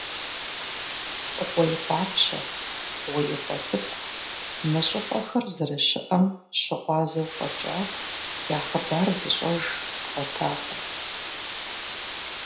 «Гъуей къуапщэ», «Гъуеикъуэ цӀыкӀу» – мы щӀыпӀэхэр зэрыщыӀэм щыгъуазэу фӀэкӀа, я хъыбар зыщӀэж дгъуэтакъым.